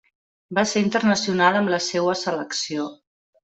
Va ser internacional amb la seua selecció.